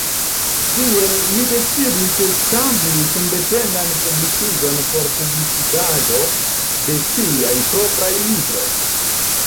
Tiel li decidis establi sendependan publikigon por publikigado de siaj propraj libroj.